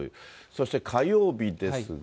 そして火曜日ですが。